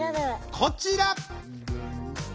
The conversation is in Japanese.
こちら！